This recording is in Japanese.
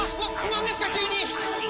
なんですか急に！